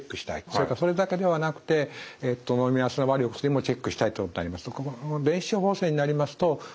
それからそれだけではなくてのみ合わせの悪いお薬もチェックしたいこともあります。